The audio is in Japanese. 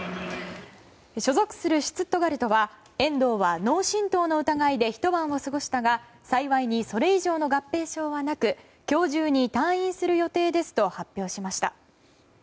所属するシュツットガルトは、遠藤は脳しんとうの疑いでひと晩を過ごしたが幸いにそれ以上の合併症はなく今日中に退院する予定ですと発表しました。